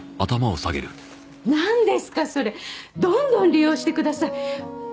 なんですかそれどんどん利用してください！